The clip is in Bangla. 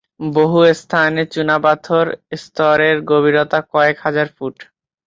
বহু স্থানে এই চুনাপাথর স্তরের গভীরতা কয়েক হাজার ফুট।